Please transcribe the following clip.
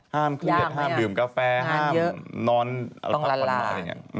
ห้ามเครียดห้ามดื่มกาแฟห้ามนอนพักผ่อนอะไรอย่างนี้